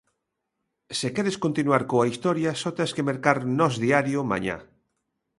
Se queres continuar coa historia, só tes que mercar Nós Diario mañá.